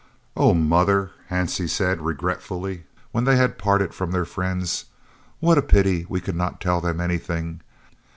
"Oh, mother!" Hansie said regretfully, when they had parted from their friends. "What a pity we could not tell them anything!